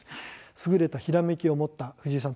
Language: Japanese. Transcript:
優れたひらめきを持った藤井さん